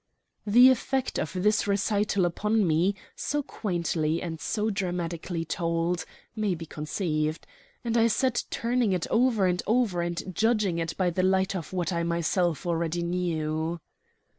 The effect of this recital upon me, so quaintly and so dramatically told, may be conceived; and I sat turning it over and over and judging it by the light of what I myself already knew.